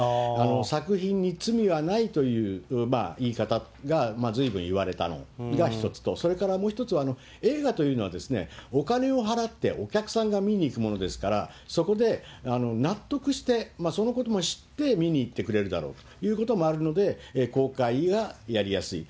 作品に罪はないという言い方がずいぶん言われたのが１つと、それからもう１つは、映画というのは、お金を払って、お客さんが見に行くものですから、そこで納得して、そのことも知って見に行ってくれるだろうということもあるので、公開がやりやすい。